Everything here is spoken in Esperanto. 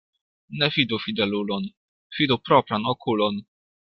Ne fidu fidelulon, fidu propran okulon.